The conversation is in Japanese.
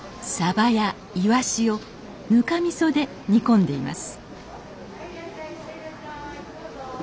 ばやいわしをぬかみそで煮込んでいます